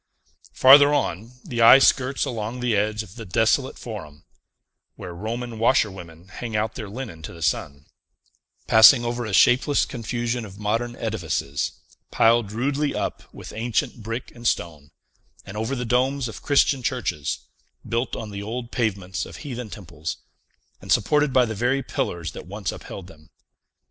Farther on, the eye skirts along the edge of the desolate Forum (where Roman washerwomen hang out their linen to the sun), passing over a shapeless confusion of modern edifices, piled rudely up with ancient brick and stone, and over the domes of Christian churches, built on the old pavements of heathen temples, and supported by the very pillars that once upheld them.